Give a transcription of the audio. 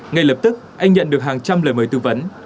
ngay lập tức anh nhận được hàng trăm lời mời tư vấn